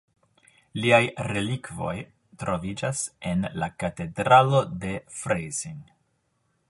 Liaj relikvoj troviĝas en la katedralo de Freising.